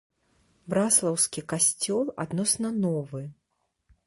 Браслаўскі касцёл адносна новы.